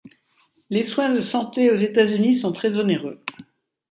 Les soins de santé aux États-Unis sont très onéreux.